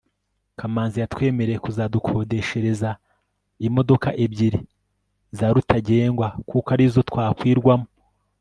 kamanzi yatwemereye kuzadukodeshereza imodokaebyiri za rutagengwa kuko arizo twakwirwagamo